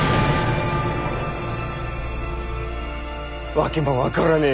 訳も分からねぇ